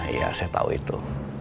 iya saya tau itu